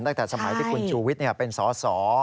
ตั้งแต่สมัยที่คุณชูวิทย์เป็นสอสอ